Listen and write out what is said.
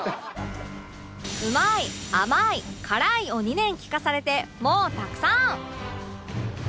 うまい甘い辛いを２年聞かされてもうたくさん！